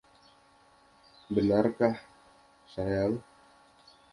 Benarkah, sayang?